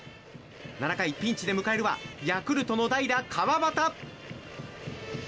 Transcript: ７回、ピンチで迎えるはヤクルトの代打、川端。